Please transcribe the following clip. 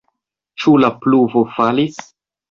Ĉu la pluvo falis?